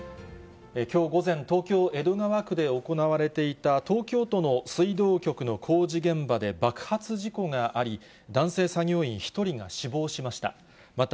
きょう午前、東京・江戸川区で行われていた東京都の水道局の工事現場で爆発事故があり、男性作業員１人が死亡しました。